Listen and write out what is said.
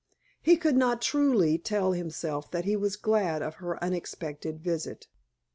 He could not truthfully tell himself that he was glad of her unexpected visit.